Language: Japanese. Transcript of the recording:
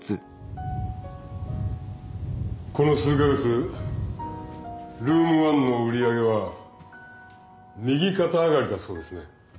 この数か月ルーム１の売り上げは右肩上がりだそうですね。